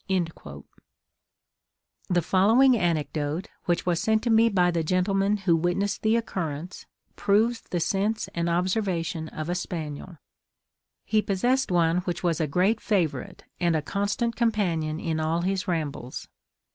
The following anecdote, which was sent to me by the gentleman who witnessed the occurrence, proves the sense and observation of a spaniel. He possessed one which was a great favourite, and a constant companion in all his rambles.